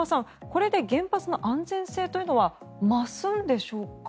これで原発の安全性というのは増すんでしょうか。